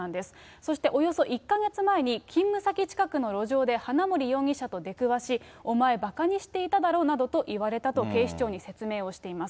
そしておよそ１か月前に、勤務先近くの路上で花森容疑者と出くわし、お前、ばかにしていただろなどと言われたと警視庁に説明をしています。